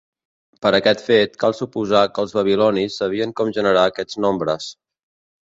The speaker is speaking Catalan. Per aquest fet cal suposar que els babilonis sabien com generar aquests nombres.